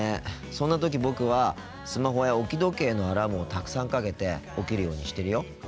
そんな時僕はスマホや置き時計のアラームをたくさんかけて起きるようにしてるよ。